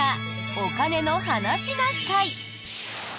「お金の話な会」。